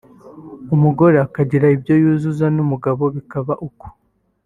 umugore akagira ibyo yuzuza n’umugabo bikaba uko